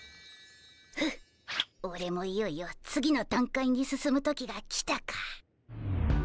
フッオレもいよいよ次の段階に進む時が来たか。